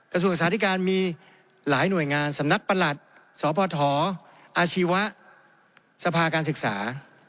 กระทรวงศึกษาธิการมีหลายหน่วยงานสำนักประหลัดสพอาชีวะสภาการศึกษา